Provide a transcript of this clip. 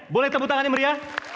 boleh tepuk tangan imria